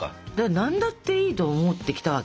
何だっていいと思ってきたわけよ。